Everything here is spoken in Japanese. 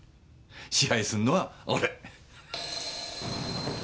支配すんのは俺。